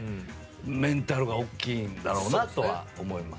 メンタルが大きいんだろうなとは思います。